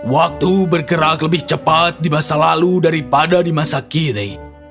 waktu bergerak lebih cepat di masa lalu daripada di masa kini